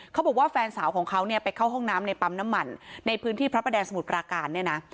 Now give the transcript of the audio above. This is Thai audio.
เขาบอกว่าแฟนสาวของเขาเนี่ยไปเข้าห้องน้ำในปั๊มน้ำมันในพื้นที่พระประแดงสมุทรปราการเนี่ยนะ